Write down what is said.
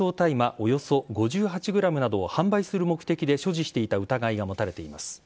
およそ５８グラムなどを販売する目的で所持していた疑いが持たれています。